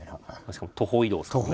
しかも徒歩移動ですから。